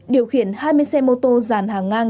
điều khiển hai mươi xe mô tô giàn hàng ngang